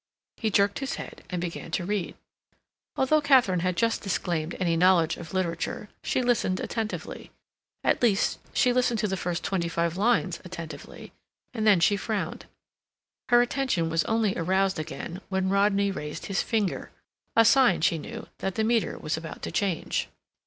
He jerked his head and began to read. Although Katharine had just disclaimed any knowledge of literature, she listened attentively. At least, she listened to the first twenty five lines attentively, and then she frowned. Her attention was only aroused again when Rodney raised his finger—a sign, she knew, that the meter was about to change.